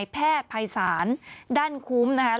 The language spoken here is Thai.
แพทย์ภัยสารด้านคุ้ม